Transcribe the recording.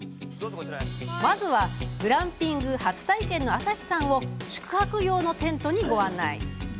まずはグランピング初体験の朝日さんを宿泊用のテントに、ご案内。